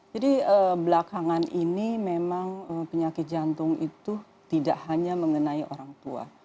belakangan ini memang penyakit jantung itu tidak hanya mengenai orang tua